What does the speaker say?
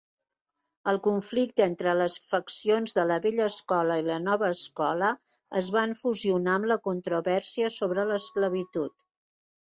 El conflicte entre les faccions de la vella escola i la nova escola es van fusionar amb la controvèrsia sobre l"esclavitud.